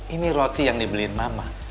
ini roti yang dibeliin mama